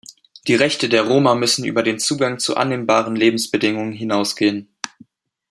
Die Rechte der Roma müssen über den Zugang zu annehmbaren Lebensbedingungen hinausgehen.